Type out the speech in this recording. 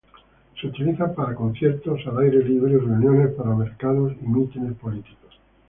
Se utiliza para conciertos al aire libre y reuniones, para mercados y mítines políticos.